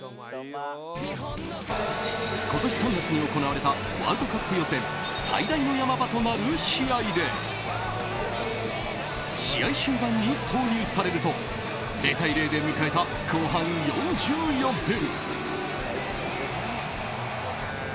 今年３月に行われたワールドカップ予選最大の山場となる試合で試合終盤に投入されると０対０で迎えた後半４４分。